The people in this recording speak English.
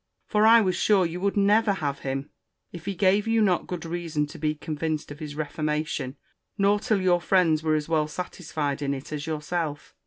For I was sure you would never have him, if he gave you not good reason to be convinced of his reformation: nor till your friends were as well satisfied in it as yourself.